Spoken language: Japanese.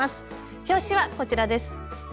表紙はこちらです。